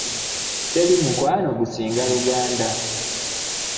Teri mukwano gusinga luganda.